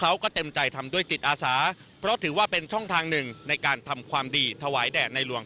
อาศาเพราะถือว่าเป็นช่องทางหนึ่งในการทำความดีถวายแดดในหลวง